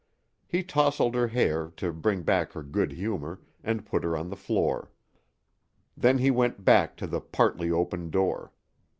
He tousled her hair to bring back her good humor, and put her on the floor. Then he went back to the partly open door.